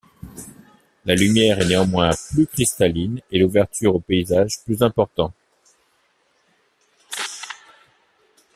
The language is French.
La lumière est néanmoins plus cristalline et l'ouverture au paysage plus important.